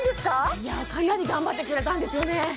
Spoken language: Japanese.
かなり頑張ってくれたんですよね